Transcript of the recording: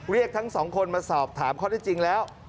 เรียกทั้งสองคนมาสอบถามข้อได้จริงแล้ว